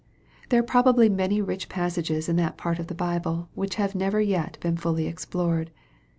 There are probably many rich passages in that part of the Bible which have never yet been fully explored.